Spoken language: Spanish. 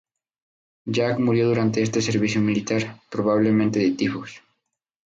Jack murió durante este servicio militar, probablemente de tifus.